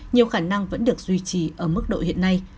nhiều khả năng vẫn được duy trì ở mức độ hiện nay